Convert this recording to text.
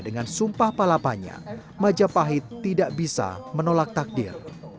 dengan sumpah palapanya majapahit tidak bisa menolak takdir